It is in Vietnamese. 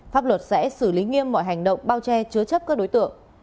pháp luật sẽ xử lý nghiêm mọi hành động bao che chứa chấp các đối tượng